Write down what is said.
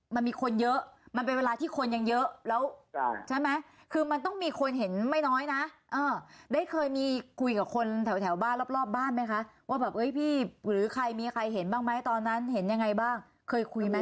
มันมีคนเยอะมันเป็นเวลาที่คนยังเยอะแล้วใช่ไหมคือมันต้องมีคนเห็นไม่น้อยนะได้เคยมีคุยกับคนแถวบ้านรอบบ้านไหมคะว่าแบบเอ้ยพี่หรือใครมีใครเห็นบ้างไหมตอนนั้นเห็นยังไงบ้างเคยคุยไหม